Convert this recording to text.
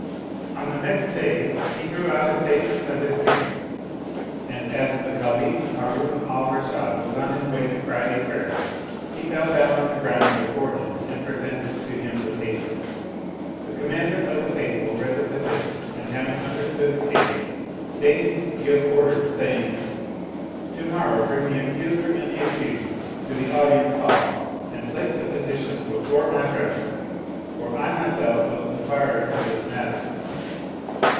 On the next day he drew out a statement of his case; and, as the Caliph Harun al Rashid was on his way to Friday prayers, he fell down on the ground before him and presented to him the paper. The Commander of the Faithful read the petition and having understood the case deigned give order saying, " To morrow bring the accuser and the accused to the audience hall and place the petition before my presence, for I myself will inquire into this mat ter."